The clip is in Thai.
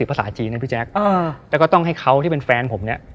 และพี่แจ๊คก็ต้องให้เขาที่เป็นแฟนผมเนี่ย